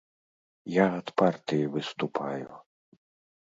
Я ад партыі выступаю.